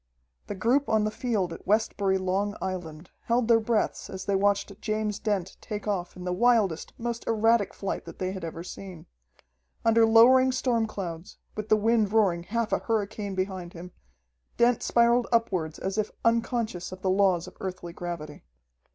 The group on the field at Westbury, Long Island, held their breaths as they watched James Dent take off in the wildest, most erratic flight that they had ever seen. Under lowering storm clouds, with the wind roaring half a hurricane behind him, Dent spiraled upward as if unconscious of the laws of Earthly gravity.